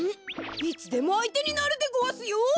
いつでもあいてになるでごわすよ！